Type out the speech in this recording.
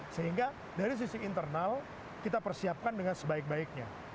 sehingga dari sisi internal kita persiapkan dengan sebaik baiknya